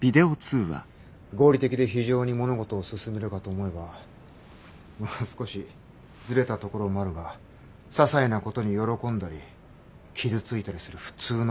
合理的で非情に物事を進めるかと思えばまあ少しずれたところもあるがささいなことに喜んだり傷ついたりする普通の少年でもある。